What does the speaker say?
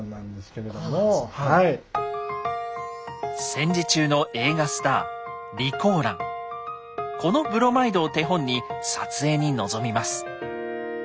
戦時中の映画スターこのブロマイドを手本に撮影に臨みます。